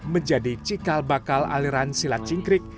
menjadi cikal bakal aliran silat cingkrik